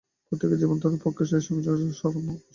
প্রত্যেক জীবাত্মার পক্ষে এই সঙ্কোচের কারণ অসৎকর্ম।